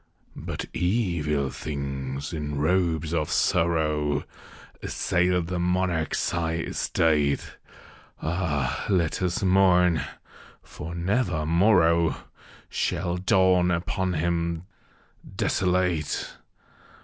But evil things, in robes of sorrow, Assailed the monarch's high estate. (Ah, let us mourn! for never morrow Shall dawn upon him desolate